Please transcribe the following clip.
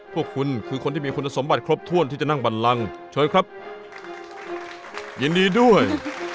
พวกคุณคือคนที่มีคุณสมบัติครบถ้วนที่จะนั่งบันลังเชิญครับยินดีด้วย